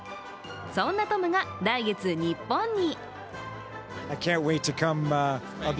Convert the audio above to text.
そんなトムが来月日本に。